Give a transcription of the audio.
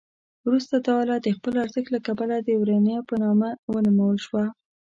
وروسته دا آله د خپل ارزښت له کبله د ورنیه په نامه ونومول شوه.